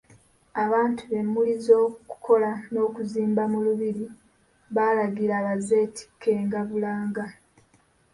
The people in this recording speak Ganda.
Abantu be, emmuli ez'okukola n'okuzimba mu Lubiri yalagira bazeetikkenga bulanga.